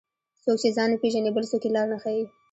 څوک چې ځان نه پیژني، بل څوک یې لار نه ښيي.